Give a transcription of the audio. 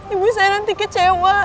ibu saya nanti kecewa